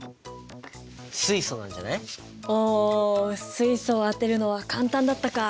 水素を当てるのは簡単だったか。